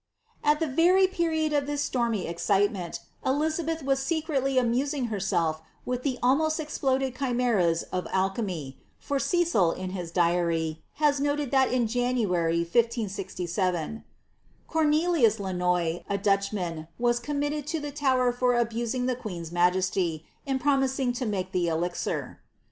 ^ At the very period of this stormy excitement, Elizabeth was secretly ifflusing herself with the almost exploded chimeras of alchemy, for CeciK in his diary, has noted that in January, 1567, ^^ Cornelius Lanoy, a Dutchman, was committed to the Tower for abusing^ the queen's majesty, in promising to make the elixir."